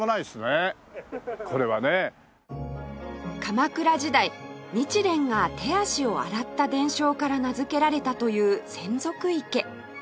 鎌倉時代日蓮が手足を洗った伝承から名付けられたという洗足池